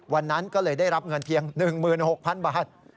วันนั้นก็เลยได้รับเงินเพียง๑๖๐๐๐บาท